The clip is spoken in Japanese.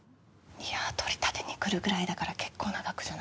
いや取り立てに来るぐらいだから結構な額じゃない？